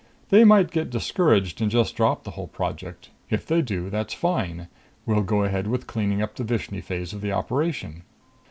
They might get discouraged and just drop the whole project. If they do, that's fine. We'll go ahead with cleaning up the Vishni phase of the operation.